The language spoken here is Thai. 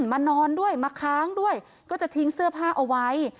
มานอนด้วยมาค้างด้วยก็จะทิ้งเสื้อผ้าเอาไว้